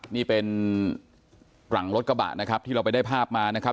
นี่เป็นหลังรถกระบะนะครับที่เราไปได้ภาพมานะครับ